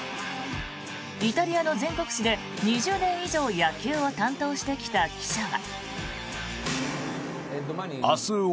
イタリアの全国紙で２０年以上野球を担当してきた記者は。